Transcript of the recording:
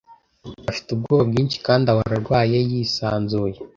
Afite ubwoba bwinshi kandi ahora arwaye yisanzuye.